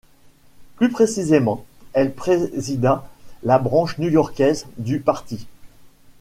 Plus précisément, elle présida la branche new-yorkaise du parti.